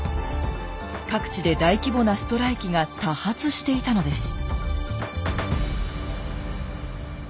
各地で大規模なストライキが多発していたのです。